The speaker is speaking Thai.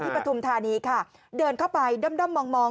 ที่ปธุมธานีค่ะเดินเข้าไปด้ำด้ำมองมอง